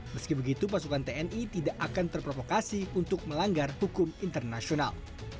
meski begitu pasukan tni tidak akan terprovokasi untuk melanggar hukum internasional